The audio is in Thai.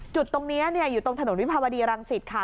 จุดตรงนี้อยู่ตรงถนนวิภาวดีรังสิตค่ะ